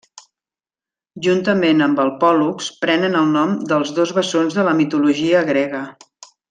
Juntament amb el Pòl·lux, prenen el nom dels dos bessons de la mitologia grega.